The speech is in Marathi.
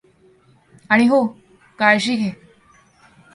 आणि हो...काळजी घे..